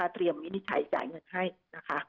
เตรียมวินิจฉายจ่ายเงินให้นะคะ